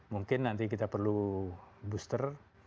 mungkin nanti kita perlu booster